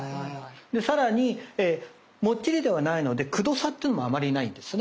さらにもっちりではないのでくどさっていうのもあまりないんですね。